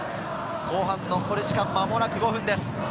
後半残り時間、間もなく５分です。